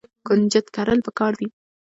کنجد کرل پکار دي.